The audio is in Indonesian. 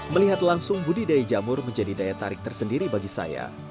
melihat langsung budidaya jamur menjadi daya tarik tersendiri bagi saya